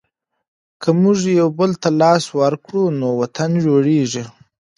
که موږ یوبل ته لاس ورکړو نو وطن جوړېږي.